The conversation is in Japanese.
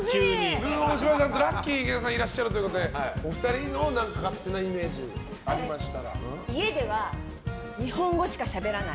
ルー大柴さんとラッキィ池田さんいらっしゃるということでお二人の勝手なイメージ家では日本語しかしゃべらない。